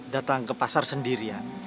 datang ke pasar sendirian